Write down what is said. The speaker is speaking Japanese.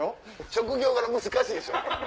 職業柄難しいでしょ。